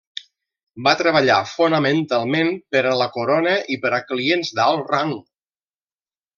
Va treballar fonamentalment per a la Corona i per a clients d'alt rang.